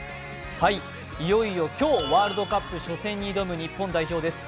いよいよ今日、ワールドカップ初戦に挑む日本代表です。